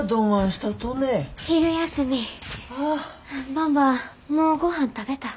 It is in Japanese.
ばんばもうごはん食べた？